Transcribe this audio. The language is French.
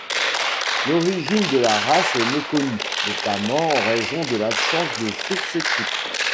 L'origine de la race est méconnue, notamment en raison de l'absence de sources écrites.